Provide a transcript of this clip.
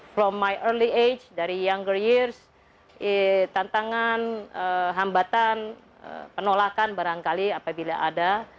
from my early age dari younger years tantangan hambatan penolakan barangkali apabila ada